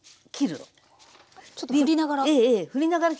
ちょっと振りながら。